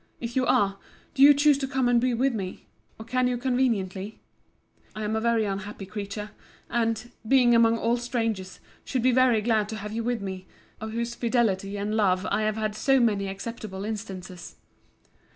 If you are, do you choose to come and be with me? Or can you conveniently? I am a very unhappy creature, and, being among all strangers, should be very glad to have you with me, of whose fidelity and love I have had so many acceptable instances.